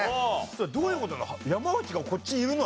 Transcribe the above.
どういう事なの？